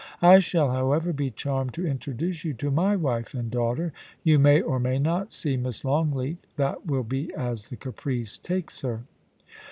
I shall, however, be charmed to introduce you to my wife and daughter. You may, or may not, see Miss Longleat; that will be as the caprice takes her.'